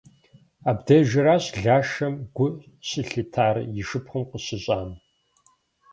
Абдежыращ Лашэм гу щылъитар и шыпхъум къыщыщӏам.